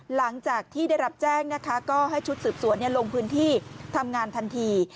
หลังจากที่ได้รับแจ้งนะคะก็ให้ชุดสืบสวนลงพื้นที่ทำงานทันที